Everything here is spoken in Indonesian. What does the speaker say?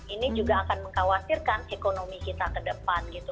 ini juga akan mengkhawatirkan ekonomi kita ke depan gitu